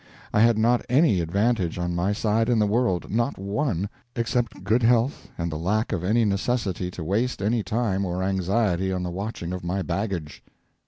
I had not any advantage on my side in the world not one, except good health and the lack of any necessity to waste any time or anxiety on the watching of my baggage.